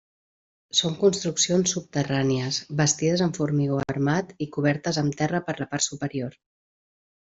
Són construccions subterrànies, bastides amb formigó armat i cobertes amb terra per la part superior.